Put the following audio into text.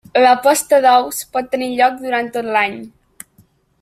La posta d'ous pot tenir lloc durant tot l'any.